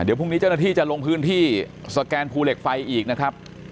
เดี๋ยวพรุ่งนี้เจ้าหน้าที่จะลงพื้นที่สแกนภูเหล็กไฟอีกนะครับ